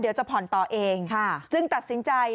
เดี๋ยวจะผ่อนต่อเองจึงตัดสินใจ